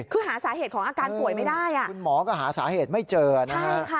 คือหาสาเหตุของอาการป่วยไม่ได้คุณหมอก็หาสาเหตุไม่เจอนะฮะ